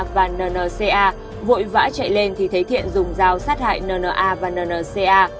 và n n c a vội vã chạy lên thì thấy thiện dùng dao sát hại n n a và n n c a